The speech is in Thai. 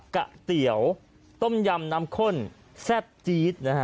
ก๋วยเตี๋ยวต้มยำน้ำข้นแซ่บจี๊ดนะฮะ